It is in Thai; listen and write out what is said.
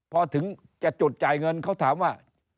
พอถึงจะจุดจ่ายเงินเขาถามว่า